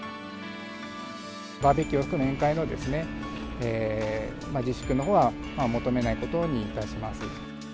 バーベキューを含む宴会の自粛のほうは求めないことにいたします。